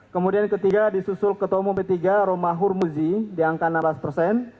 kemudian ketiga disusul ketua umum p tiga roma hurmuzi di angka enam belas persen